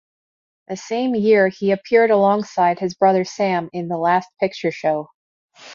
The same year, he appeared alongside his brother Sam in "The Last Picture Show".